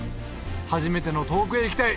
初めての『遠くへ行きたい』